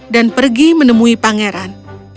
dan pergi menemui pangeran